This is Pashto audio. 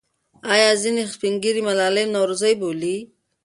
آیا ځینې سپین ږیري ملالۍ نورزۍ بولي؟